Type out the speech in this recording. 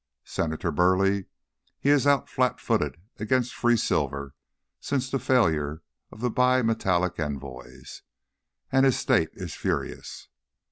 Senator Burleigh: he is out flat footed against free silver since the failure of the bi metallic envoys, and his State is furious.